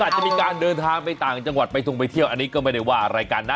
อาจจะมีการเดินทางไปต่างจังหวัดไปทงไปเที่ยวอันนี้ก็ไม่ได้ว่าอะไรกันนะ